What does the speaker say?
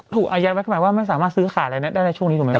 โทษอย่างไงว่าไม่สามารถซื้อขาดอะไรนั่นได้ในช่วงนี้ถูกไหม